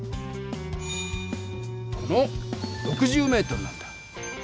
この６０ｍなんだ。